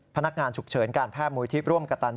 พนักงานฉุกเฉินการแพทย์มูลที่ร่วมกระตัน